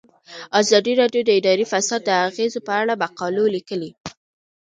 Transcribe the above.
ازادي راډیو د اداري فساد د اغیزو په اړه مقالو لیکلي.